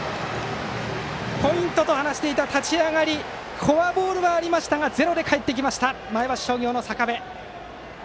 ポイントと話していた立ち上がりフォアボールはありましたがゼロで帰ってきました前橋商業の坂部。